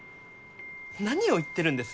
何を言ってるんです？